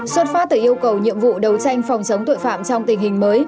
xuất phát từ yêu cầu nhiệm vụ đấu tranh phòng chống tội phạm trong tình hình mới